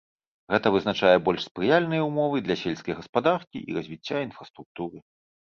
Гэта вызначае больш спрыяльныя ўмовы для сельскай гаспадаркі і развіцця інфраструктуры.